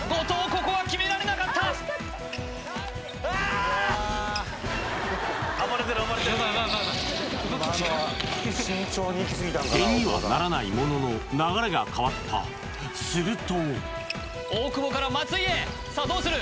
ここは決められなかった点にはならないものの流れが変わったすると大久保から松井へさあどうする？